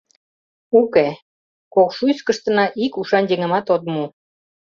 Уке, Кокшуйскыштына ик ушан еҥымат от му.